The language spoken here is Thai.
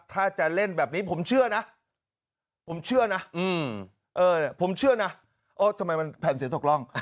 ถ้าจะเล่นแบบนี้ผมเชื่อนะผมเชื่อนะผมเชื่อนะทำไมมันแผ่นเสียตกร่อง